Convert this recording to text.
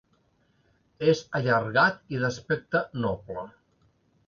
És allargat i d'aspecte noble.